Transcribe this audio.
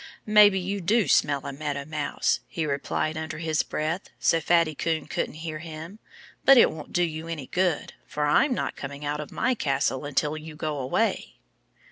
"Maybe you do smell a Meadow Mouse," he replied under his breath, so Fatty Coon couldn't hear him. "But it won't do you any good; for I'm not coming out of my castle until you go away."